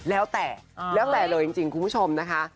แล้วแต่แล้วแต่เลยจริงคุณผู้ชมนะคะ